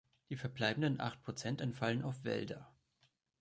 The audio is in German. Die verbleibenden acht Prozent entfallen auf Wälder.